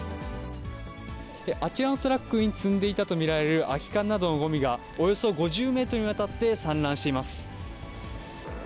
あちらのトラックに積んでいたと見られる空き缶などのごみが、およそ５０メートルにわたって散乱しています。